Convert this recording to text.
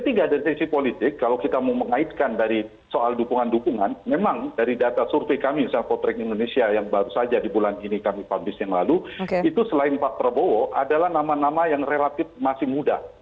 ketiga dari sisi politik kalau kita mau mengaitkan dari soal dukungan dukungan memang dari data survei kami misalnya potreng indonesia yang baru saja di bulan ini kami publis yang lalu itu selain pak prabowo adalah nama nama yang relatif masih muda